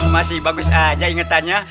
masih bagus aja ingetannya